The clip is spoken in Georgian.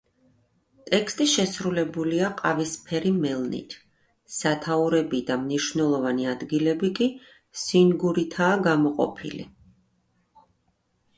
ტექსტი შესრულებულია ყავისფერი მელნით, სათაურები და მნიშვნელოვანი ადგილები კი სინგურითაა გამოყოფილი.